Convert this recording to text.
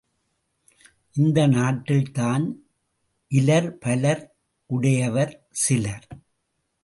இந்த நாட்டில் தான் இலர் பலர் உடையவர் சிலர்.